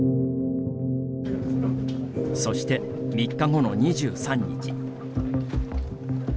そして、３日後の２３日。